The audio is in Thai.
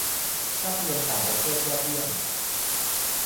- ภาพยนตร์ต่างประเทศยอดเยี่ยม